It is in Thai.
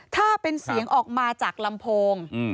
ถ้าเป็นเสียงออกมาจากลำโพง